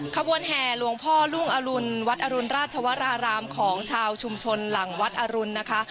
ขบวนแห่หลวงพ่อรุ่งอรุณวัดอรุณราชวรารามของชาวชุมชนหลังวัดอรุณนะคะ